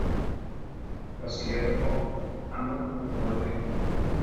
Consiguió dos Óscar, ambos como mejor director.